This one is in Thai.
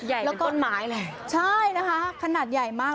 ใหญ่เหมือนป้นไม้แหละใช่นะคะขนาดใหญ่มาก